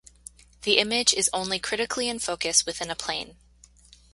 The image is only critically in focus within a plane.